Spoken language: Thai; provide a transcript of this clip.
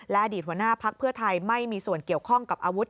และอดีตหัวหน้าพักเพื่อไทยไม่มีส่วนเกี่ยวข้องกับอาวุธ